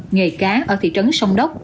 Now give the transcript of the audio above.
nghề cá ở thị trấn sông đốc